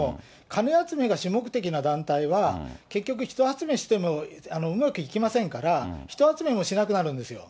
金集めが主目的な団体は、結局、人集めしてもうまくいきませんから、人集めもしなくなるんですよ。